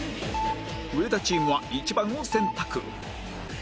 上田チームは１番を選択